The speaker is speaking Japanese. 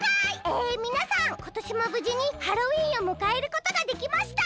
えみなさんことしもぶじにハロウィーンをむかえることができました。